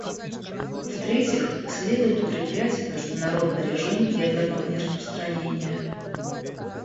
В-третьих, следует укреплять международный режим ядерного нераспространения.